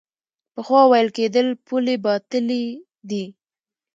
پخوا ویل کېدل پولې باطلې دي.